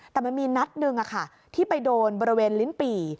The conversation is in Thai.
แต่มันมีนัดหนึ่งที่ไปโดนบริเวณลิ้นปี่